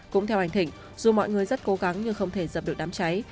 cũng theo anh thịnh dù mọi người rất cố gắng nhưng không thể dập được đám cháy